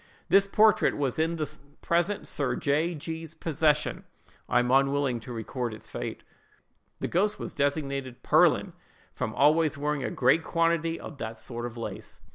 This portrait was in the present Sir J—— G——'s possession. I am unwilling to record its fate. "The ghost was designated 'Pearlin,' from always wearing a great quantity of that sort of lace.